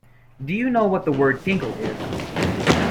Do you know what the word "tinkle" is?